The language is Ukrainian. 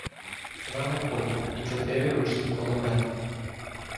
З нами "Кольт" і чотири ручні кулемети.